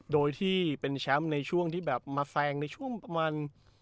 โดยที่เป็นแชมป์ในช่วงที่แบบมาแซงในช่วงประมาณ